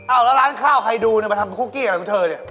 เอาแล้วร้านข้าวใครดูเนี่ยมาทำคุกกี้อะไรของเธอเนี่ย